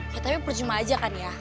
ya tapi percuma aja kan ya